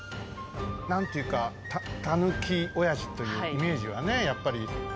何ていうか、たぬきおやじというイメージはね、やっぱり。